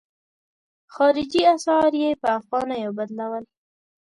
خارجي اسعار یې په افغانیو بدلول.